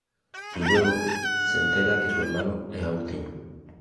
Y luego se entera que su hermano es Agustín.